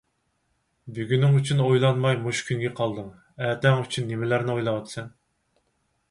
بۈگۈنىڭ ئۈچۈن ئويلانماي مۇشۇ كۈنگە قالدىڭ، ئەتەڭ ئۈچۈن نېمىلەرنى ئويلاۋاتىسەن؟!